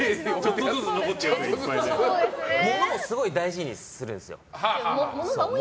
物をすごい大事にするんですよ。